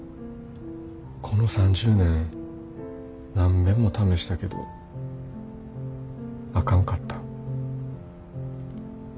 この３０年何べんも試したけどあかんかった。